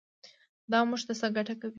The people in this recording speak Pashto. دا موږ ته څه ګټه کوي.